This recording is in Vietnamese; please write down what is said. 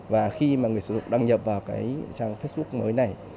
và khi mà người sử dụng đăng nhập vào cái trang facebook mới này